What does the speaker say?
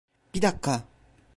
Bir dakika!